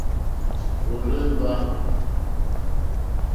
Òrzèmbá.